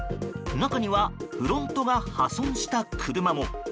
中にはフロントが破損した車も。